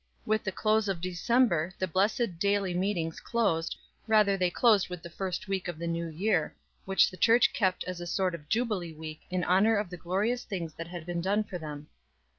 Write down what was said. With the close of December the blessed daily meetings closed, rather they closed with the first week of the new year, which the church kept as a sort of jubilee week in honor of the glorious things that had been done for them.